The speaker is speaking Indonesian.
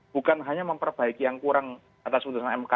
bukan hanya memperbaiki yang kurang atas putusan mk